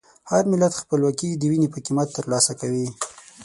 هر ملت خپلواکي د وینې په قیمت ترلاسه کوي.